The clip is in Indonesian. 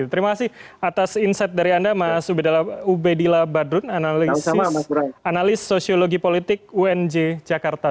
terima kasih atas insight dari anda mas ubedillah badrun analis sosiologi politik unj jakarta